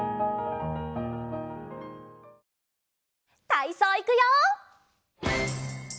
たいそういくよ！